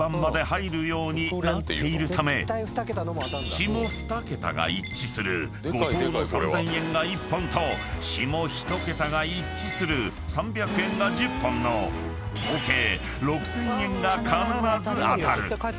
［下２桁が一致する５等の３，０００円が１本と下１桁が一致する３００円が１０本の合計６，０００円が必ず当たる］